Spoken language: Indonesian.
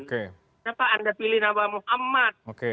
kenapa anda pilih nama muhammad